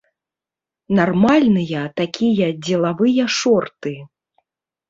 Нармальныя такія дзелавыя шорты!